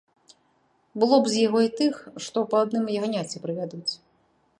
Было б з яго й тых, што па адным ягняці прывядуць.